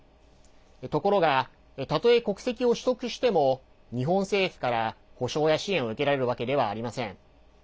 ところがたとえ国籍を取得しても日本政府から補償や支援を受けられるわけではありません。